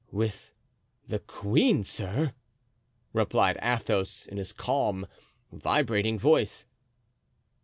"With the queen, sir?" replied Athos, in his calm, vibrating voice.